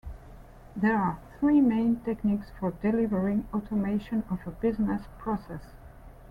There are three main techniques for delivering automation of a business process.